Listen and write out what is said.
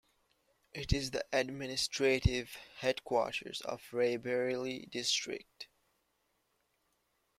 It is the administrative headquarters of Raebareli District.